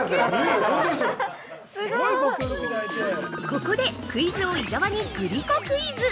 ◆ここでクイズ王・伊沢にグリコクイズ。